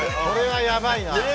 これはやばいな。